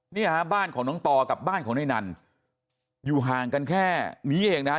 เนี่ยฮะบ้านของน้องต่อกับบ้านของนายนันอยู่ห่างกันแค่นี้เองนะฮะ